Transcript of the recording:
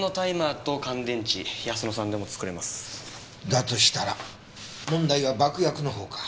だとしたら問題は爆薬の方か。